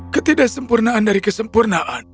ketidaksempurnaan dari kesempurnaan